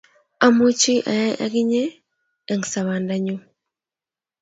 Amuchi ayai yote ak inye eng tapandanyu